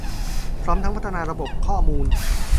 พร้อมทั้งพัฒนาระบบข้อมูล